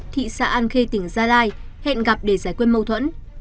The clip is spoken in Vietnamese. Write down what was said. thị xã an khê tỉnh gia lai hẹn gặp để giải quyết mâu thuẫn